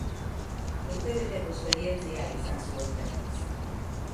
Urtebeteko esperientzia izan zuen berriz.